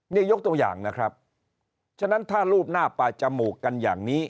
นี่ยกตัวอย่างนะครับฉะนั้นถ้ารูปหน้าป่าจมูกกันอย่างนี้